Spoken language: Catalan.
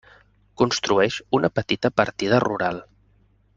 Constitueix una petita partida rural.